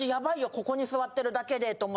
ここに座ってるだけでと思って。